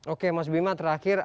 oke mas bima terakhir